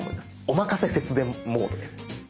おまかせ節電モードです。